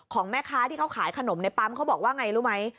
แม่ค้าที่เขาขายขนมในปั๊มเขาบอกว่าไงรู้ไหม